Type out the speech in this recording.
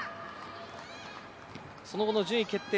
その後の順位決定